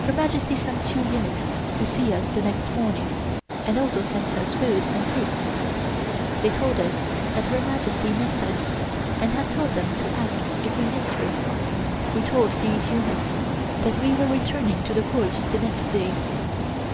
Her Majesty sent two eunuchs to see us the next morning, and also sent us food and fruits. They told us that Her Majesty missed us, and had told them to ask if we missed her. We told these eunuchs that we were returning to the Court the next day.